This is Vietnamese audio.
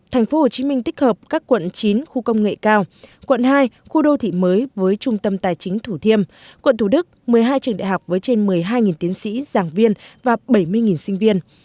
thành phố hồ chí minh tích hợp các quận chín khu công nghệ cao quận hai khu đô thị mới với trung tâm tài chính thủ thiêm quận thủ đức một mươi hai trường đại học với trên một mươi hai tiến sĩ giảng viên và bảy mươi sinh viên